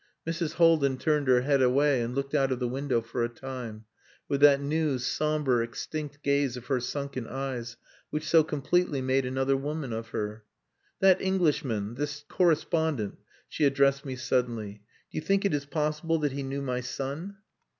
Mrs. Haldin turned her head away and looked out of the window for a time, with that new, sombre, extinct gaze of her sunken eyes which so completely made another woman of her. "That Englishman, this correspondent," she addressed me suddenly, "do you think it is possible that he knew my son?"